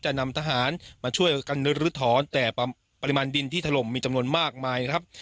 นำทหารมาช่วยกันลื้อถอนแต่ปริมาณดินที่ถล่มมีจำนวนมากมายนะครับ